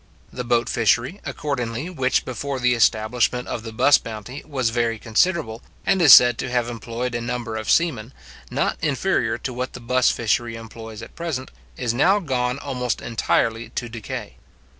The boat fishery; accordingly, which, before the establishment of the buss bounty, was very considerable, and is said to have employed a number of seamen, not inferior to what the buss fishery employs at present, is now gone almost entirely to decay.